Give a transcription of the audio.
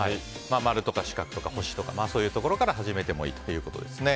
丸とか四角とか星とかそういうところから始めてもいいということですね。